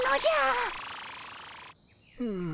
うん。